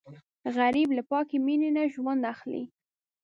غریب له پاکې مینې نه ژوند اخلي